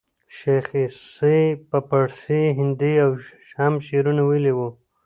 شېخ عیسي په پاړسي هندي هم شعرونه ویلي وو.